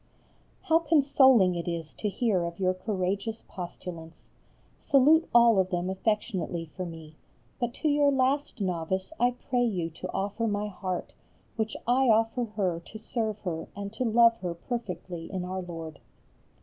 How consoling it is to hear of your courageous postulants! Salute all of them affectionately for me, but to your last novice I pray you to offer my heart, which I offer her to serve her and to love her perfectly in Our Lord.